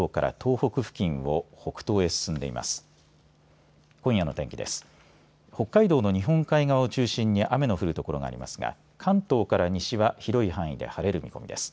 北海道の日本海側を中心に雨の降る所がありますが関東から西は広い範囲で晴れる見込みです。